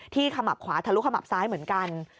ขมับขวาทะลุขมับซ้ายเหมือนกัน